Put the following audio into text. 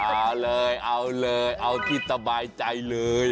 เอาเลยเอาเลยเอาที่สบายใจเลย